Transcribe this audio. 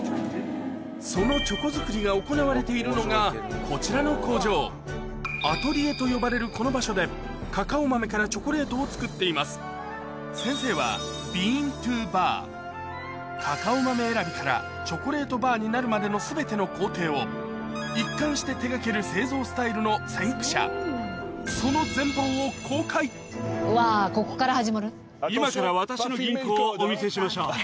そのチョコ作りが行われているのがこちらのアトリエと呼ばれるこの場所でカカオ豆からチョコレートを作っています先生はカカオ豆選びからチョコレートバーになるまでの全ての工程を一貫して手掛ける製造スタイルの先駆者そのわぁここから始まる。